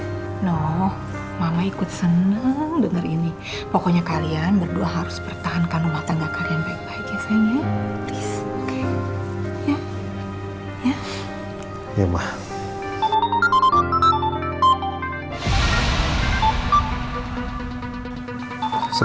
nuh mama ikut senang